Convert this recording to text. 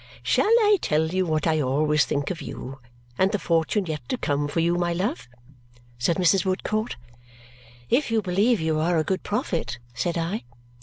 "Shall I tell you what I always think of you and the fortune yet to come for you, my love?" said Mrs. Woodcourt. "If you believe you are a good prophet," said I.